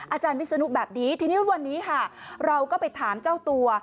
อาจารย์วิศนุแบบนี้ทีนี้วันนี้ค่ะเราก็ไปถามเจ้าตัว